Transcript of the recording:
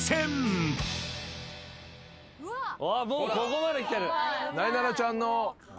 あっもうここまできてる。